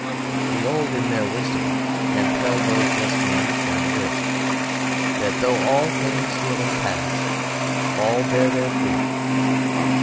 The old in their wisdom can tell those just beneath them this: that though all things human pass, all bear their fruit.